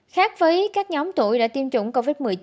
khác với các nhóm tuổi đã tiêm chủng covid một mươi chín